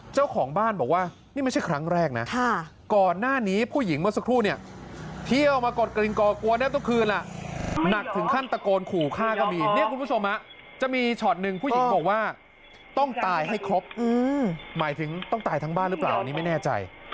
เจ้าของบ้านบอกว่านี่มันไม่ใช่ครั้งแรกนะ